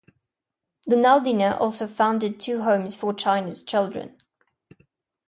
Donaldina also founded two homes for Chinese children.